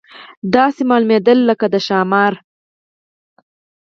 داسې ښکارېدله لکه د ښامار.